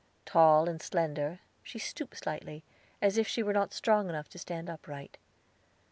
Tall and slender, she stooped slightly, as if she were not strong enough to stand upright.